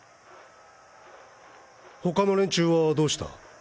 他の連中はどうした？